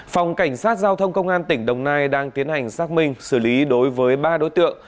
phòng cảnh sát giao thông công an tỉnh đồng nai đang tiến hành xác minh xử lý đối với ba đối tượng